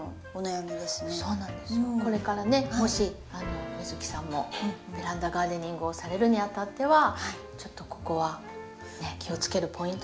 これからねもし美月さんもベランダガーデニングをされるにあたってはちょっとここは気をつけるポイントになるんですけど。